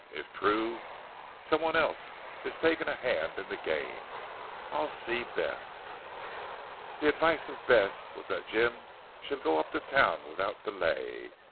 If true, someone else is taking a hand in the game. I'll see Bess." The advice of Bess was that Jim should go up to Town without delay.